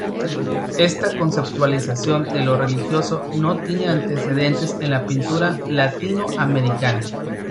Esta conceptualización de lo religioso no tiene antecedentes en la pintura latino americana.